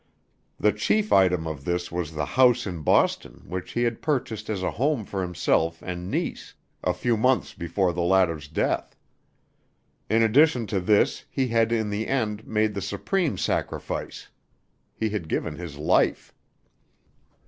The chief item of this was the house in Boston which he had purchased as a home for himself and niece, a few months before the latter's death. In addition to this he had in the end made the supreme sacrifice he had given his life.